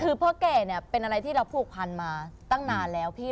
คือพ่อแก่เนี่ยเป็นอะไรที่เราผูกพันมาตั้งนานแล้วพี่